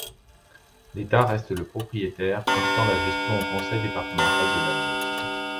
L'État reste le propriétaire, confiant la gestion au Conseil départemental de la Meuse.